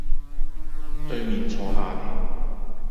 對面坐下了，